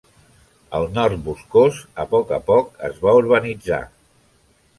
El nord boscós a poc a poc es va urbanitzar.